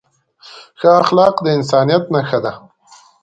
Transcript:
ښه اخلاق د انسانیت نښه ده.